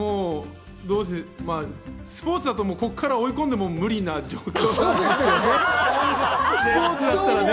スポーツだと、ここから追い込んでも無理な状態ですよね。